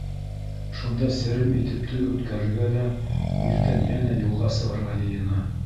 Шунда серем итеп төн үткәрергә лә иртән йәнә юлға сығырға йыйына.